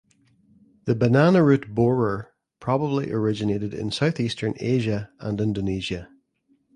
The banana root borer probably originated in southeastern Asia and Indonesia.